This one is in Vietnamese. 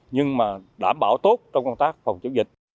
nhưng mà đảm bảo tốt trong công tác phòng chống dịch